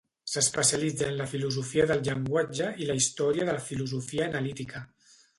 S'especialitza en la filosofia del llenguatge i la història de la filosofia analítica.